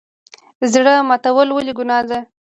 زړه ماتول ولې ګناه ده؟